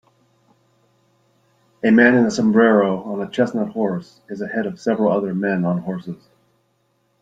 A man in a sombrero on a chestnut horse is ahead of several other men on horses